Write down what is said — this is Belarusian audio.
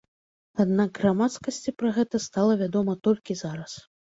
Аднак грамадскасці пра гэта стала вядома толькі зараз.